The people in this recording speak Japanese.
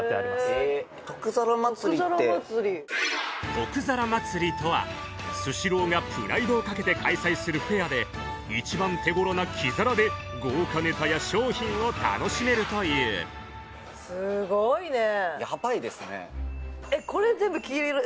得皿祭とはスシローがプライドをかけて開催するフェアで一番手頃な黄皿で豪華ネタや商品を楽しめるというすごいねヤバいですね